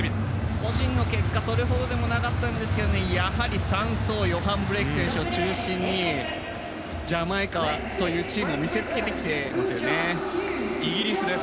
個人の結果はそれほどでもなかったんですけどやはり３走ヨハン・ブレイク選手を中心にジャマイカというチームをイギリスです。